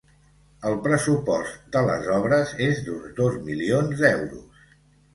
El pressupost de les obres és d’uns dos milions d’euros.